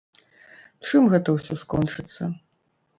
Чым гэта ўсё скончыцца?